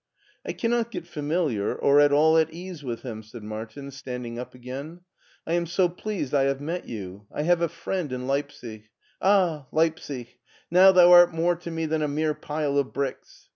" I cannot get familiar or at all at ease with him,*' said Martin, standing up again. " I am so pleased I have met you ; I have a friend in Leipsic ! Ah ! Leipsic, now thou art more to me than a mere pile of bricks.'